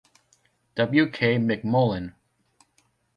W. K. McMullen.